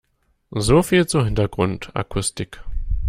So viel zur Hintergrundakustik.